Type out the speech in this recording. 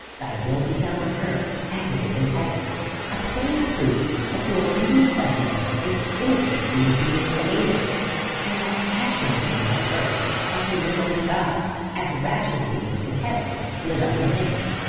Thy will he done on earth, as it is in heaven ; a plain proof that the obedience of men is to imitate the obedi ence of angels, and that rational beings on earth are to live unto God, as rational beings in heaven live unto him.